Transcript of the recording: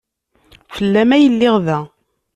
Fell-am ay lliɣ da.